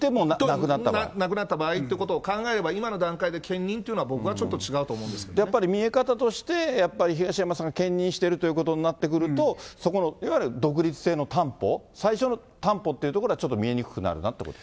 なくなった場合ということを考えれば、今の段階で兼任というのは、僕はちょっと違うと思うんやっぱり見え方として、やっぱり東山さんが兼任してるということになってくると、そこのいわゆる独立性の担保、最終の担保というところはちょっと見えにくくなるなっていうこと。